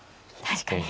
確かに。